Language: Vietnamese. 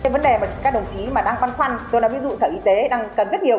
vấn đề mà các đồng chí đang quan khoan tôi nói ví dụ sở y tế đang cần rất nhiều